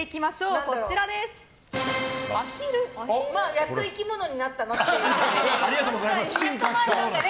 やっと生き物になったなって。